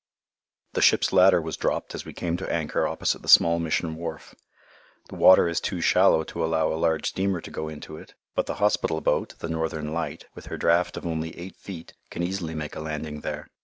The ship's ladder was dropped as we came to anchor opposite the small Mission wharf. The water is too shallow to allow a large steamer to go into it, but the hospital boat, the Northern Light, with her draft of only eight feet, can easily make a landing there.